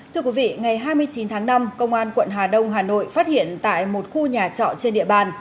thưa quý vị ngày hai mươi chín tháng năm công an quận hà đông hà nội phát hiện tại một khu nhà trọ trên địa bàn